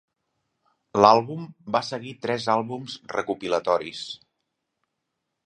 L'àlbum va seguir tres àlbums recopilatoris.